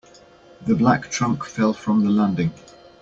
The black trunk fell from the landing.